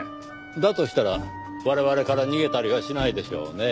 だとしたら我々から逃げたりはしないでしょうねぇ。